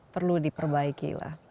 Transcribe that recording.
perlu diperbaiki lah